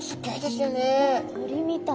鳥みたい。